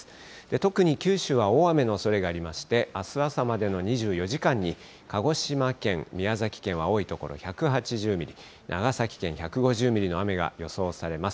特に九州は大雨のおそれがありまして、あす朝までの２４時間に鹿児島県、宮崎県は多い所１８０ミリ、長崎県１５０ミリの雨が予想されます。